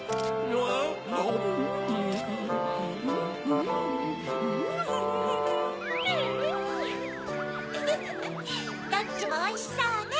どっちもおいしそうね。